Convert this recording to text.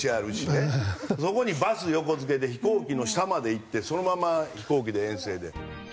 そこにバス横付けで飛行機の下まで行ってそのまま飛行機で遠征で。